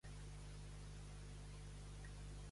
Qui és la mare de les Helíades?